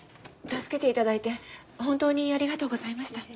助けて頂いて本当にありがとうございました。